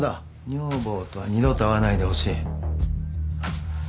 女房とは二度と会わないでほしい。